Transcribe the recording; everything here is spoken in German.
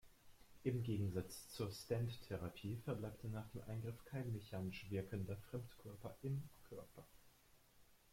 Im Gegensatz zur Stent-Therapie verbleibt nach dem Eingriff kein mechanisch wirkender Fremdkörper im Körper.